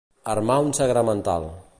Armar un sagramental.